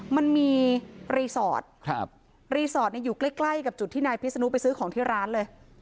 มันมีรีสอร์ทรีสอร์ทอยู่ใกล้ใกล้กับจุดที่นายพิศนุไปซื้อของที่ร้านเลย